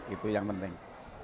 itu yang penting